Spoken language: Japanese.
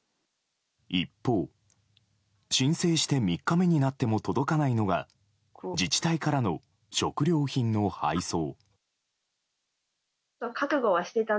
一方、申請して３日目になっても届かないのが自治体からの食料品の配送。